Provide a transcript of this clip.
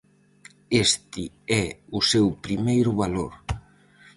Este é o seu primeiro valor.